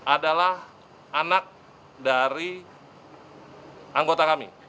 adalah anak dari anggota kami